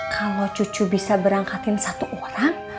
kalau cucu bisa berangkatin satu orang